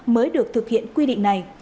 mới được thực hiện quy định này